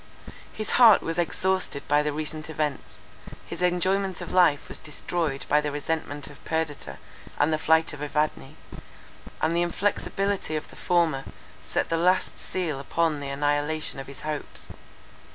His heart was exhausted by the recent events; his enjoyment of life was destroyed by the resentment of Perdita, and the flight of Evadne; and the inflexibility of the former, set the last seal upon the annihilation of his hopes.